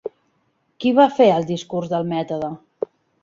Qui va fer el Discurs del mètode?